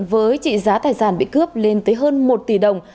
với trị giá tài sản bị cướp lên tới hơn một tỷ đồng